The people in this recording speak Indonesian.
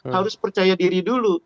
harus percaya diri dulu